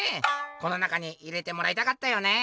この中に入れてもらいたかったよね」。